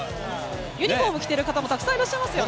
ユニホーム着ている方、たくさんいらっしゃいますね。